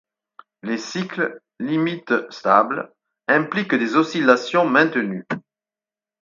Les cycles limites stables impliquent des oscillations maintenues.